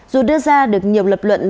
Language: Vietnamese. dù đưa ra được nhiều lập luận